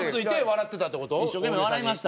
一生懸命笑いました。